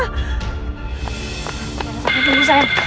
jangan sampai dulu sayang